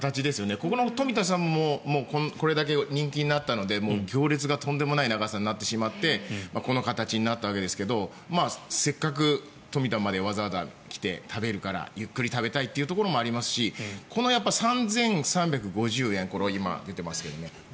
ここのとみ田さんもこれだけ人気になったので行列がとんでもない長さになってしまってこの形になったわけですがせっかくとみ田までわざわざ来て食べるから、ゆっくり食べたいというところもありますしこの３３５０円今出ていますけどね。